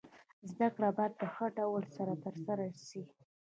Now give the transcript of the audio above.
زده کړه باید په ښه ډول سره تر سره سي.